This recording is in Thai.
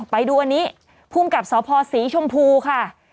ไปดูอันนี้ภูมิกับสพศรีชมพูค่ะ